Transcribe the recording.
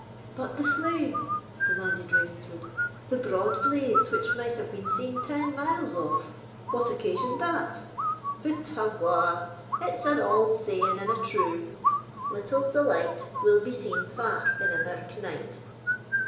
"But the flame?" demanded Ravenswood—"the broad blaze which might have been seen ten miles off—what occasioned that?" "Hout awa'! it's an auld saying and a true— Little's the light Will be seen far in a mirk night.